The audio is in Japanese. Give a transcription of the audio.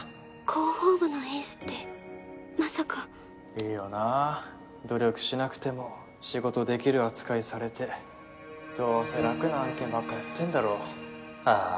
広報部のエースってまさかいいよな努力しなくても仕事できる扱いされてどうせ楽な案件ばっかやってんだろああ